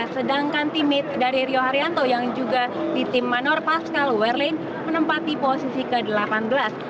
sedangkan timid dari rio haryanto yang juga di tim manor pascal werlin menempati posisi ke delapan belas